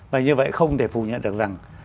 và như vậy không thể phủ nhận được rằng